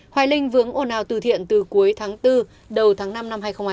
hoài linh vướng ồn ào từ thiện từ cuối tháng bốn đầu tháng năm năm hai nghìn hai mươi